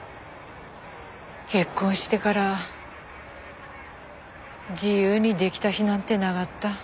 結婚してから自由に出来た日なんてながった。